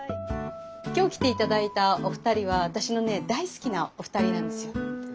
今日来て頂いたお二人は私のね大好きなお二人なんですよ。